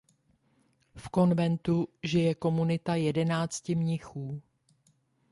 V konventu žije komunita jedenácti mnichů.